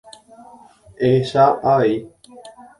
Ehecha avei.